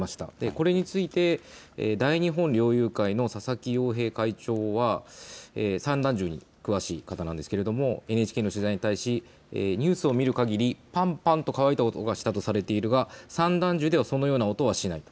これについて大日本猟友会の佐々木洋平会長は散弾銃に詳しい方なんですけれどもＮＨＫの取材に対しニュースを見るかぎりパンパンと乾いた音がしたとされるが散弾銃ではそのような音はしない。